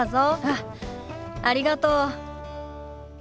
あっありがとう。